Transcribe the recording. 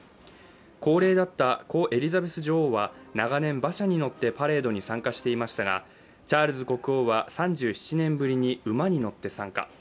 高齢だった故・エリザベス女王は長年馬車に乗ってパレードに参加していましたがチャールズ国王は３７年ぶりに馬に乗って参加。